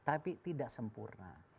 tapi tidak sempurna